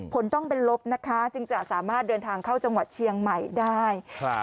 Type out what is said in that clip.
ผลต้องเป็นลบนะคะจึงจะสามารถเดินทางเข้าจังหวัดเชียงใหม่ได้ครับ